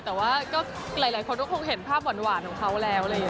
แต่ว่าก็หลายคนก็คงเห็นภาพหวานของเขาแล้วเลย